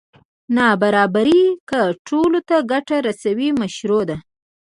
نابرابري که ټولو ته ګټه رسوي مشروع ده.